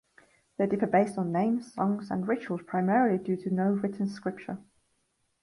They differ based on names, songs, and rituals primarily due to no written scripture.